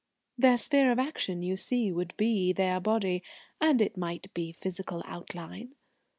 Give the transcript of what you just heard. "Their sphere of action, you see, would be their body. And it might be physical outline.